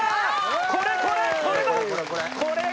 これこれ！